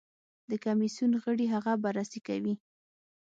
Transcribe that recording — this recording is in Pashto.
د کمېسیون غړي هغه بررسي کوي.